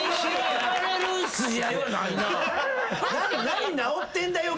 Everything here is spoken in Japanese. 「何治ってんだよ」